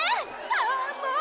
ああもう！！